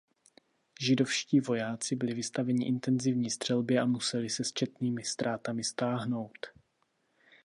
Židovští vojáci byli vystaveni intenzivní střelbě a museli se s četnými ztrátami stáhnout.